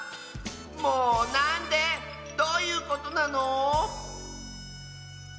もうなんで⁉どういうことなの？